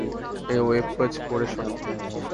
এই web page পড়ে শোনাও।